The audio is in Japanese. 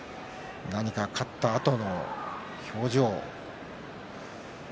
勝ったあとの表情。